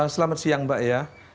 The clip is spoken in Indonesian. selamat siang mbak ya